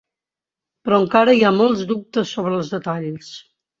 Però encara hi ha molts dubtes sobre els detalls.